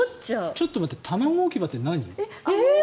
ちょっと待って卵置き場って何？